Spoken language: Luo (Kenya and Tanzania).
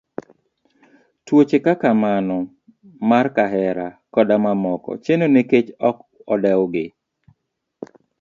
Tuoche kaka mano mar kahera koda mamoko chendo nikech ok odew gi.